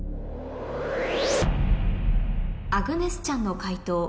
アグネス・チャンの解答